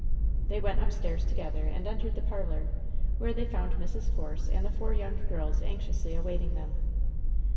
They went upstairs together, and entered the parlor, where they found Mrs. Force and the four young girls anxiously awaiting them.